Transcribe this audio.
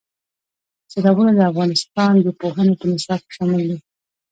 سیلابونه د افغانستان د پوهنې په نصاب کې شامل دي.